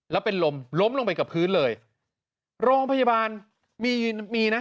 แล้วเป็นลมล้มลงไปกับพื้นเลยโรงพยาบาลมีมีนะ